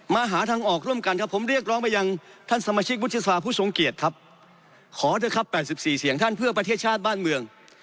หาทางออกร่วมกันครับผมเรียกร้องไปยังท่านสมาชิกวุฒิสภาผู้ทรงเกียจครับขอเถอะครับ๘๔เสียงท่านเพื่อประเทศชาติบ้านเมือง